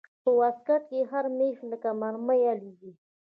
په واسکټ کښې هر مېخ لکه مرمۍ الوزي.